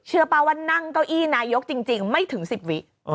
เชื่อไหมว่านั่งเต้าอี้นายกจริงไม่ถึง๑๐วินาที